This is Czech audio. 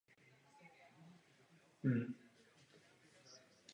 Můžeme však skutečně říct, že Polsko změnilo názor?